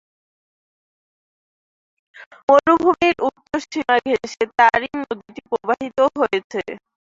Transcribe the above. মরুভূমির উত্তর সীমা ঘেঁষে তারিম নদীটি প্রবাহিত হয়েছে।